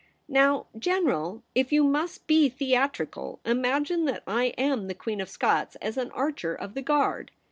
' Now, General, if you must be theatrical, imagine that I am the Queen of Scots as an archer of the Guard.